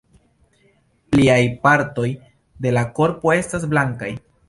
Pliaj partoj de la korpo estas blankaj.